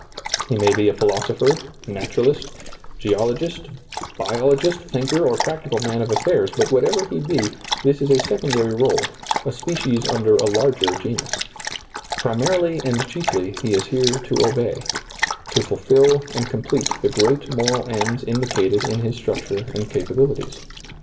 He may be philosopher, naturalist, geologist, biologist, thinker, or practical man of affairs, but whatever he be, this is a sec ondary r61e, a species under a larger genus. Primarily and chiefly he is here to obey, to ^lailizccbvGoOgle S8 SEEING DARKLY fulfill and complete the great moral ends indicated in his structure and capabilities.